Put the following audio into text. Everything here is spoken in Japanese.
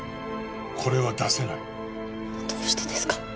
これは出せないどうしてですか？